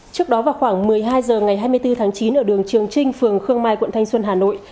trước đó vào khoảng một mươi hai h ngày hai mươi bốn tháng chín ở đường trường trinh phường khương mai quận thanh xuân hà nội